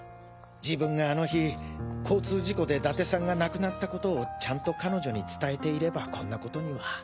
自分があの日交通事故で伊達さんが亡くなったことをちゃんと彼女に伝えていればこんなことには。